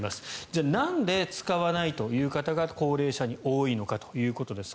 じゃあなんで使わないという方が高齢者に多いのかということです。